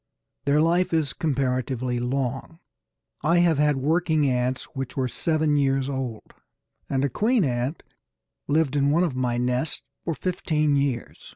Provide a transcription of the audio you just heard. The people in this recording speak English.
Their life is comparatively long: I have had working ants which were seven years old, and a queen ant lived in one of my nests for fifteen years.